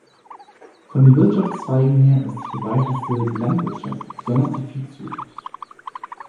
Von den Wirtschaftszweigen her ist die verbreitetste die Landwirtschaft, besonders die Viehzucht.